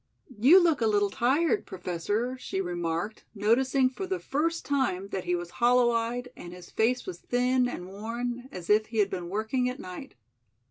"You look a little tired, Professor," she remarked, noticing for the first time that he was hollow eyed and his face was thin and worn, as if he had been working at night.